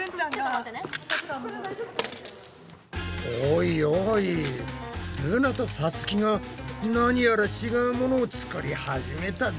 おいおいルナとさつきが何やら違うものを作り始めたぞ。